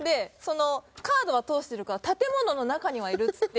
カードは通してるから建物の中にはいるっつって。